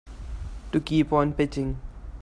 To keep on pitching.